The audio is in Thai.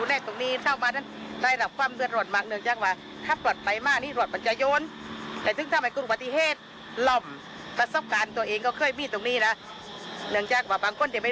แล้วตัวแทนชาวบ้านเขาก็บอกด้วยนะบอกว่าที่เจอปัญหาแบบนี้